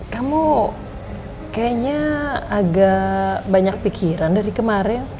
kamu kayaknya agak banyak pikiran dari kemarin